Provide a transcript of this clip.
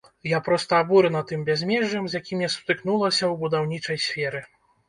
Я проста абурана тым бязмежжам, з якім я сутыкнулася ў будаўнічай сферы.